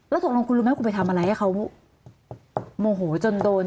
ตกลงคุณรู้ไหมคุณไปทำอะไรให้เขาโมโหจนโดน